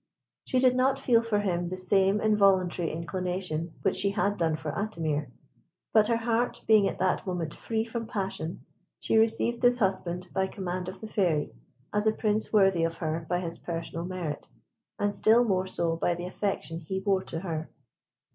She did not feel for him the same involuntary inclination which she had done for Atimir; but her heart, being at that moment free from passion, she received this husband, by command of the Fairy, as a Prince worthy of her by his personal merit, and still more so by the affection he bore to her.